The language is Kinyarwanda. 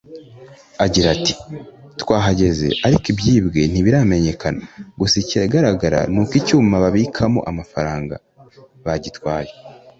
Agira ati “Twahageze ariko ibyibwe ntibiramenyekana gusa ikigaragara ni uko icyuma babikamo amafaranga bagitwaye